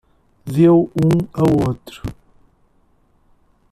Deu um ao outro